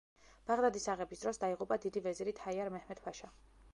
ბაღდადის აღების დროს, დაიღუპა დიდი ვეზირი თაიარ მეჰმედ-ფაშა.